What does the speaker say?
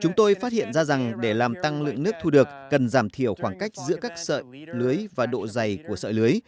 chúng tôi phát hiện ra rằng để làm tăng lượng nước thu được cần giảm thiểu khoảng cách giữa các sợi lưới và sợi